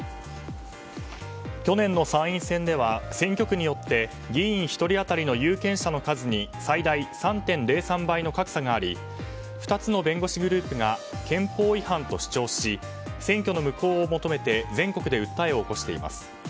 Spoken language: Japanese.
去年の参院選では選挙区によって議員１人当たりの有権者の数に最大３．０３倍の格差があり２つの弁護士グループが憲法違反と主張し選挙の無効を求めて全国で訴えを起こしています。